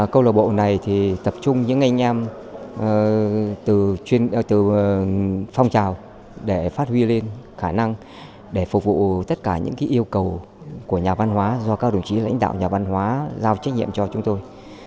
câu lạc bộ này thì tập trung những anh em từ phong trào để phát huy lên khả năng để phục vụ tất cả những yêu cầu của nhà văn hóa do các đồng chí lãnh đạo nhà văn hóa giao trách nhiệm cho chúng tôi